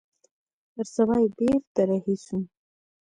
پر سبا يې بېرته رهي سوم.